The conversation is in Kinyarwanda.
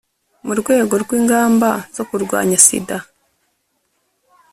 mu rwego rw'ingamba zo kurwanya sida,